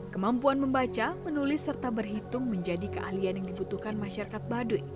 kemampuan membaca menulis serta berhitung menjadi keahlian yang dibutuhkan masyarakat baduy